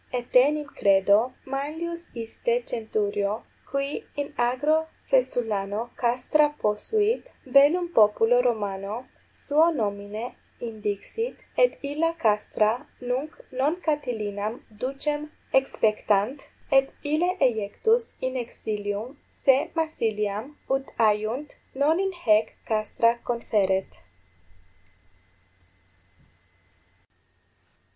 14 Etenim, credo, Manlius iste centurio, qui in agro Faesulano castra posuit, bellum populo Romano suo nomine indixit, et illa castra nunc non Catilinam ducem exspectant, et ille eiectus in exilium se Massiliam, ut aiunt, non in haec castra conferet.